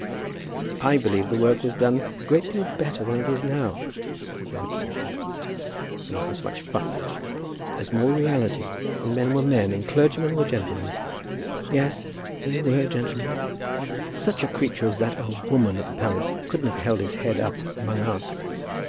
"I believe the work was done a great deal better than it is now," said the archdeacon. "There wasn't so much fuss, but there was more reality. And men were men, and clergymen were gentlemen." "Yes; they were gentlemen." "Such a creature as that old woman at the palace couldn't have held his head up among us.